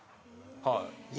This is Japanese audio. はい。